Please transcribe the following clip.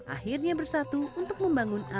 akhirnya bersatu untuk membangunnya